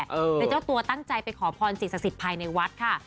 และเจ้าตัวตั้งใจไปขอพรศิษย์ศักดิ์ภัยในวัดค่ะ